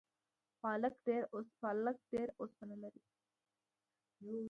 پالک ډیره اوسپنه لري